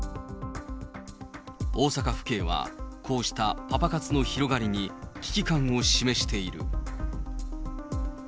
大阪府警は、こうしたパパ活の広がりに危機感を示している。